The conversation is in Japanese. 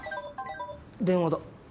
電話だ。